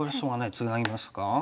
ツナぎますか？